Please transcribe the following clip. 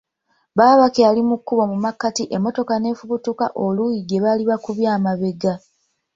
Baba bakyali mu kkubo mu makkati emmotoka neefubutuka oluuyi gye baali bakubye amabega.